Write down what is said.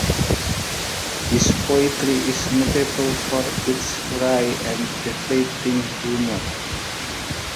His poetry is notable for its wry and deflating humor.